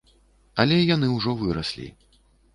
Але яны ўжо выраслі.